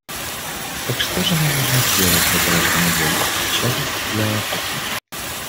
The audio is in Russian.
Так что же мы можем сделать для граждан Юга, в частности для Африки?